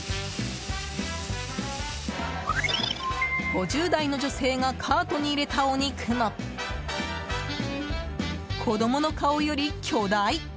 ５０代の女性がカートに入れたお肉も子供の顔より巨大！